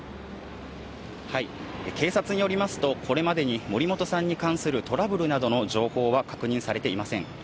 警察によりますと、これまでに森本さんに関するトラブルなどの情報は確認されていません。